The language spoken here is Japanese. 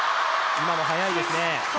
今のは速いですね。